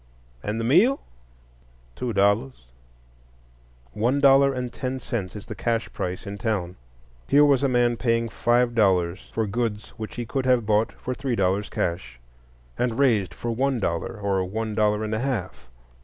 "And the meal?" "Two dollars." One dollar and ten cents is the cash price in town. Here was a man paying five dollars for goods which he could have bought for three dollars cash, and raised for one dollar or one dollar and a half.